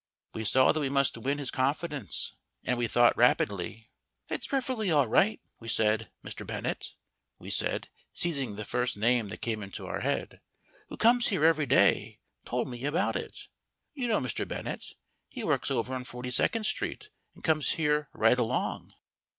We saw that we must win his confidence and we thought rapidly. "It's perfectly all right," we said. "Mr. Bennett" (we said, seizing the first name that came into our head), "who comes here every day, told me about it. You know Mr. Bennett; he works over on Forty second Street and comes here right along."